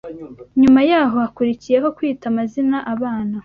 Nyuma yaho hakurikiyeho kwita amazina abana